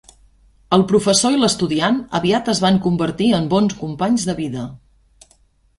El professor i l'estudiant aviat es van convertir en bons companys de vida.